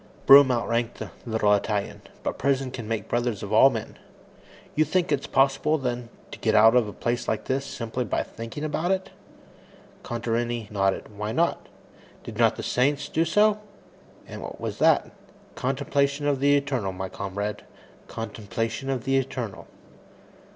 Broom outranked the little Italian, but prison can make brothers of all men. "You think it's possible then, to get out of a place like this, simply by thinking about it?" Contarini nodded. "Why not? Did not the saints do so? And what was that? Contemplation of the Eternal, my comrade; contemplation of the Eternal."